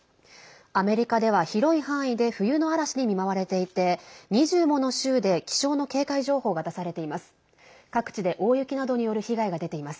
アメリカでは広い範囲で冬の嵐に見舞われていて２０もの州で気象の警戒情報が出されています。